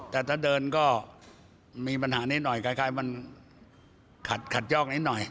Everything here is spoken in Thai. แต่ถ้าเดินก็มีปัญหานี้หน่อยคลัดอย่างนี้หน่อย